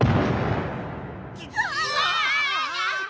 うわ！